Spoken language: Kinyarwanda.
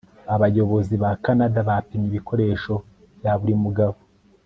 abayobozi ba kanada bapimye ibikoresho bya buri mugabo